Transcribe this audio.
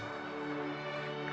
kamu harus mengerti flights waikry